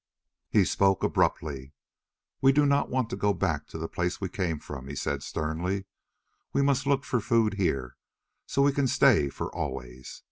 He spoke abruptly: "We do not want to go back to the place we came from," he said sternly. "We must look for food here, so we can stay for always.